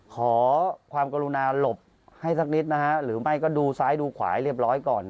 ขอความกรุณาหลบให้สักนิดนะฮะหรือไม่ก็ดูซ้ายดูขวาให้เรียบร้อยก่อน